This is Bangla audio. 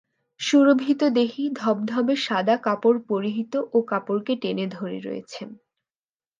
সুরভিতদেহী, ধবধবে সাদা কাপড় পরিহিত ও কাপড়কে টেনে ধরে রয়েছেন।